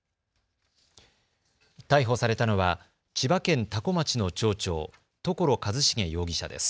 逮捕されたのは千葉県多古町の町長、所一重容疑者です。